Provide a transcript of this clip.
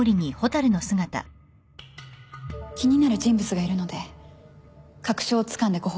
気になる人物がいるので確証をつかんでご報告します